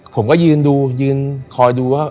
ผมก็ยืนดูยืนคอยดูว่า